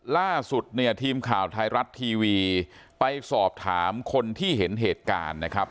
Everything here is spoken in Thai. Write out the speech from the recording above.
ล่าสุดเนี่ยทีมข่าวไทยรัฐทีวีไปสอบถามคนที่เห็นเหตุการณ์นะครับ